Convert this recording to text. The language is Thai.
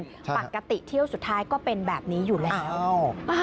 ปกติเที่ยวสุดท้ายก็เป็นแบบนี้อยู่แล้ว